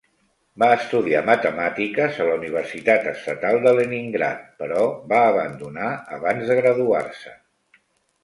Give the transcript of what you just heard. Va estudiar matemàtiques a la Universitat Estatal de Leningrad, però va abandonar abans de graduar-se.